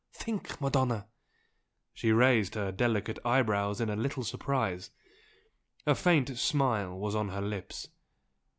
Think, Madonna!" She raised her delicate eyebrows in a little surprise, a faint smile was on her lips.